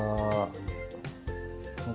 masukkan ke dalam nasi